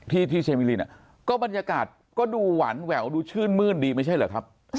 ที่ที่เชมิลินก็บรรยากาศก็ดูหวานแหววดูชื่นมื้นดีไม่ใช่เหรอครับ